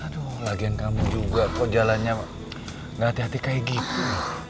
aduh lagian kamu juga kok jalannya gak hati hati kayak gitu